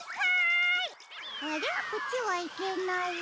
こっちはいけない。